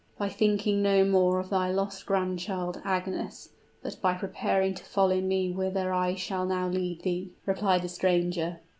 "By thinking no more of thy lost grand child Agnes, but by preparing to follow me whither I shall now lead thee," replied the stranger.